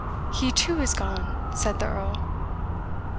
he, too, is gone," said the Earl.